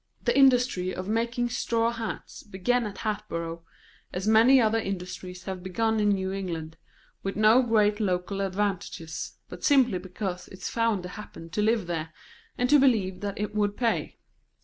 III. The industry of making straw hats began at Hatboro', as many other industries have begun in New England, with no great local advantages, but simply because its founder happened to live there, and to believe that it would pay.